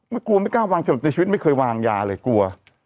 ไม่กลัวไม่กล้าวางจนแบบในชีวิตไม่เคยวางยาเลยกลัว